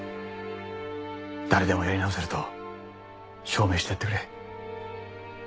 誰でもやり直せると証明してやってくれ。